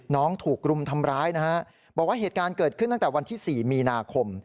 ถูกรุมทำร้ายนะฮะบอกว่าเหตุการณ์เกิดขึ้นตั้งแต่วันที่๔มีนาคม